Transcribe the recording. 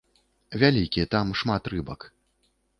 Вялікі, там шмат рыбак.